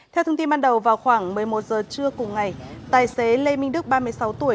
theo thông tin ban đầu vào khoảng một mươi một giờ trưa cùng ngày tài xế lê minh đức ba mươi sáu tuổi